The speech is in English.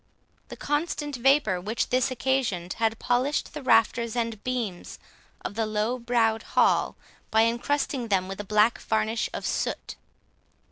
The constant vapour which this occasioned, had polished the rafters and beams of the low browed hall, by encrusting them with a black varnish of soot.